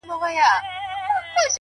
پسله كلونه چي جانان تـه ورځـي؛